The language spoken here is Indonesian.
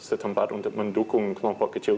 setempat untuk mendukung kelompok kecil